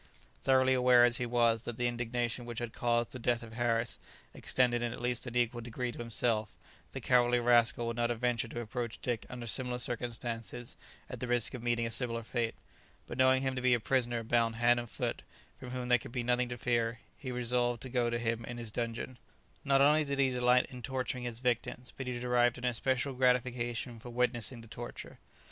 Thoroughly aware as he was that the indignation which had caused the death of Harris extended in at least an equal degree to himself, the cowardly rascal would not have ventured to approach Dick under similar circumstances at the risk of meeting a similar fate; but knowing him to be a prisoner bound hand and foot, from whom there could be nothing to fear, he resolved to go to him in his dungeon * Not only did he delight in torturing his victims, but he derived an especial gratification from witnessing the torture.